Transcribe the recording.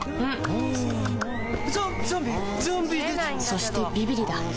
そしてビビリだ